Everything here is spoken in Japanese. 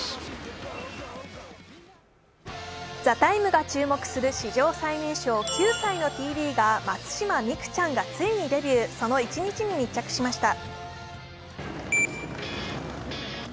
「ＴＨＥＴＩＭＥ，」が注目する史上最年少、９歳のＴリーガー、松島美空ちゃんがついにデビュー、その一日に密着しました。